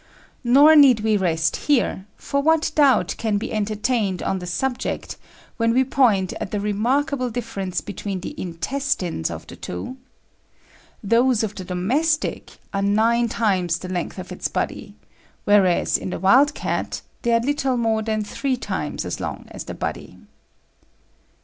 Nor need we rest here, for what doubt can be entertained on the subject when we point at the remarkable difference between the intestines of the two? Those of the domestic are nine times the length of its body, whereas, in the wild cat, they are little more than three times as long as the body."